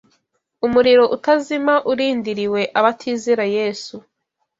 Umuriro utazima urindiriwe abatizera Yesu